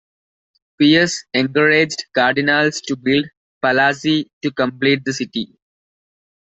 Pius encouraged cardinals to build "palazzi" to complete the city.